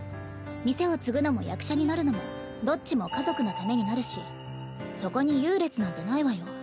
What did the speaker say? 店を継ぐのも役者になるのもどっちも家族のためになるしそこに優劣なんてないわよ。